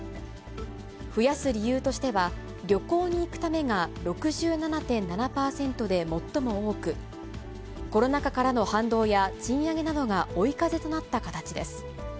増やす理由としては、旅行に行くためが６７．７％で最も多く、コロナ禍からの反動や賃上げなどが追い風となった形です。